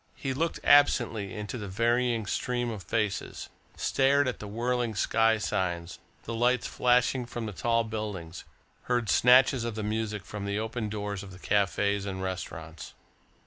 He looked absently into the varying stream of faces, stared at the whirling sky signs, the lights flashing from the tall buildings, heard snatches of the music from the open doors of the cafes and restaurants.